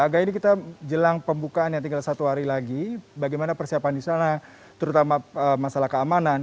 agak ini kita jelang pembukaan yang tinggal satu hari lagi bagaimana persiapan di sana terutama masalah keamanan